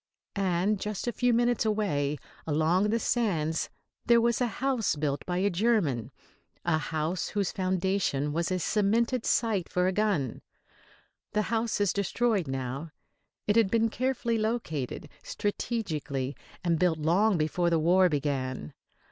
And just a few minutes away along the sands there was a house built by a German, a house whose foundation was a cemented site for a gun. The house is destroyed now. It had been carefully located, strategically, and built long before the war began.